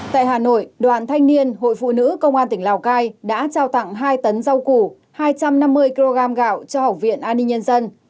tại hà nội đoàn thanh niên hội phụ nữ công an tỉnh lào cai đã trao tặng hai tấn rau củ hai trăm năm mươi kg gạo cho học viện an ninh nhân dân